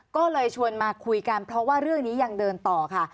ก็เลยชวนมาคุยกันเพราะว่าเรื่องนี้ยังเดินต่อค่ะ